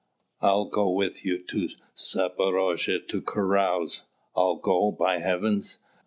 I'll go with you to Zaporozhe to carouse; I'll go, by heavens!"